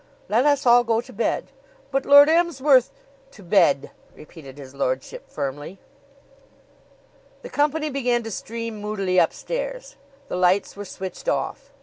Let us all go to bed." "But, Lord Emsworth " "To bed!" repeated his lordship firmly. The company began to stream moodily upstairs. The lights were switched off.